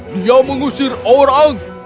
dia mengusir orang